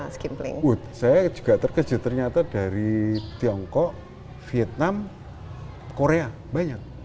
saya juga terkejut ternyata dari tiongkok vietnam korea banyak